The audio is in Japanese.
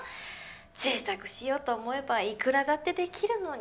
贅沢しようと思えばいくらだって出来るのに。